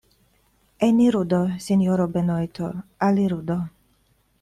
Eniru do, sinjoro Benojto, aliru do.